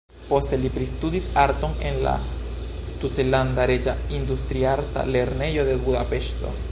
Poste li pristudis arton en la Tutlanda Reĝa Industriarta Lernejo de Budapeŝto.